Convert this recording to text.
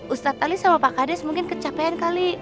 ustadz ali sama pak kades mungkin kecapean kali